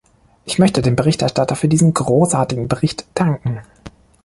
Ich möchte dem Berichterstatter für diesen großartigen Bericht danken.